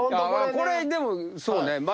これでもそうね。